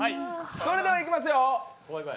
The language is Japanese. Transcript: それではいきますよ。